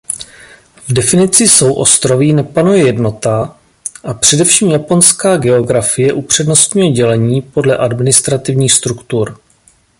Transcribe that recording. V definici souostroví nepanuje jednota a především japonská geografie upřednostňuje dělení podle administrativních struktur.